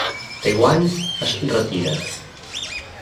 Taiwan es retira.